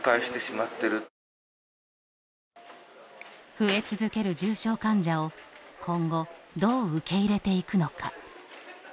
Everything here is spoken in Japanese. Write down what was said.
増え続ける重症患者を今後どう受け入れていくのか。